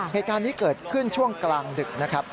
เหตุการณ์นี้เกิดขึ้นช่วงกลางดึกนะครับ